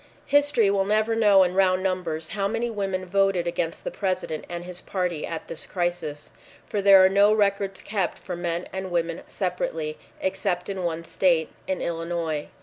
History will never know in round numbers how many women voted against the President and his party at this crisis, for there are no records kept for men and women separately, except in one state, in Illinois.